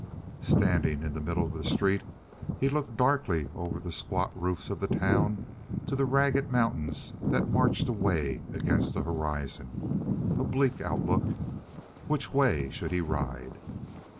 Standing in the middle of the street he looked darkly over the squat roofs of the town to the ragged mountains that marched away against the horizon a bleak outlook. Which way should he ride?